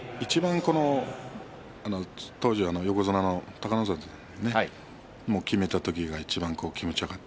当時は横綱の隆の里にきめた時がいちばん気持ちよかった。